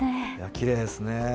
きれいですね。